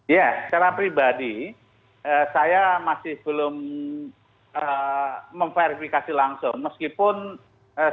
ya secara pribadi saya masih belum memverifikasi langsung